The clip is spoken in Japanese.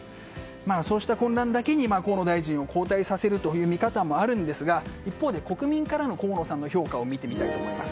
そうした混乱だけに河野大臣を後退させるという見方あるんですが、一方で国民からの河野さんの評価を見てみたいと思います。